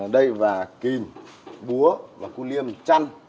đây và kìm búa và cu liêm chăn